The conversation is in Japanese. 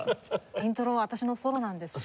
イントロは私のソロなんです。